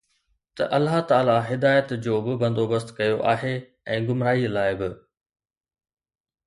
ته الله تعاليٰ هدايت جو به بندوبست ڪيو آهي ۽ گمراهي لاءِ به